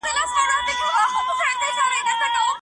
خلګ بايد په امن کي ژوند وکړي.